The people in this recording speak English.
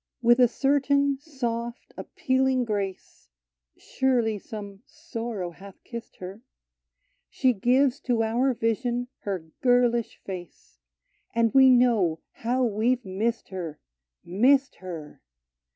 With a certain soft, appealing grace (Surely some sorrow hath kissed her !) She gives to our vision her girlish face, And we know how we 've missed her — missed her!